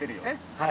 はい。